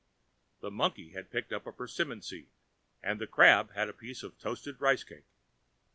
The Monkey had picked up a persimmon seed, and the Crab had a piece of toasted rice cake.